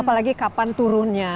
apalagi kapan turunnya